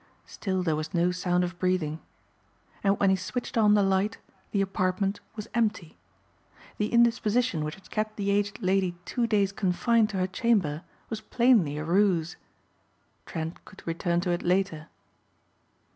Still there was no sound of breathing. And when he switched on the light the apartment was empty. The indisposition which had kept the aged lady two days confined to her chamber was plainly a ruse. Trent could return to it later.